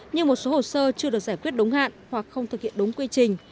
như một số hồ sơ chưa được giải quyết đúng hạn hoặc không thực hiện đúng quy trình